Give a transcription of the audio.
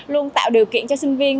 luôn tạo điều kiện cho sinh viên